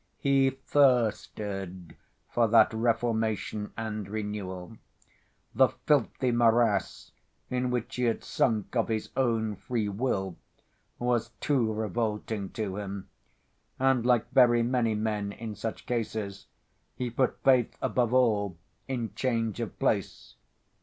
He thirsted for that reformation and renewal. The filthy morass, in which he had sunk of his own free will, was too revolting to him, and, like very many men in such cases, he put faith above all in change of place.